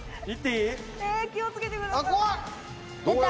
え気を付けてください。